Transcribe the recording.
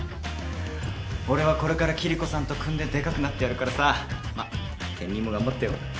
俺はこれからキリコさんと組んででかくなってやるからさまあ健兄も頑張ってよ。